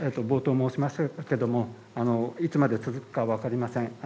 冒頭、申し上げましたけどいつまで続くか分かりません。